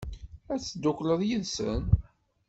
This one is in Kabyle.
Ad teddukleḍ yid-sen?